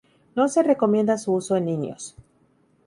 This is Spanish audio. No se recomienda su uso en niños.